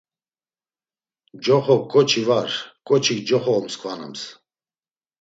Coxok ǩoçi var; ǩoçik coxo omskvanams!